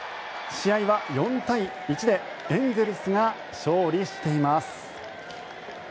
試合は４対１でエンゼルスが勝利しています。